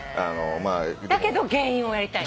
だけど芸人をやりたい。